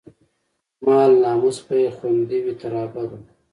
مال، ناموس به يې خوندي وي، تر ابده